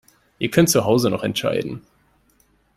Ihr könnt zu Hause noch entscheiden.